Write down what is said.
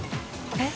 えっ！